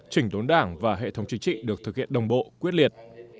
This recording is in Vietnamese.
chỉnh đốn đảng và hệ thống chính trị được thực hiện đồng bộ quyết liệt